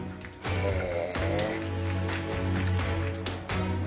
へえ。